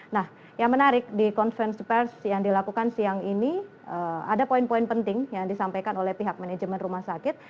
nah yang menarik di konferensi pers yang dilakukan siang ini ada poin poin penting yang disampaikan oleh pihak manajemen rumah sakit